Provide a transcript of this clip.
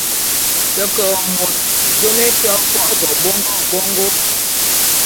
Te ke môt…jôm é to fo’o ve bongô bongô.